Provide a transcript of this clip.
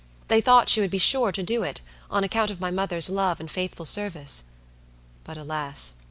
They thought she would be sure to do it, on account of my mother's love and faithful service. But, alas!